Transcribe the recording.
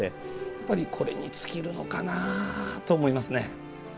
やっぱり、これに尽きるのかなと思いますね。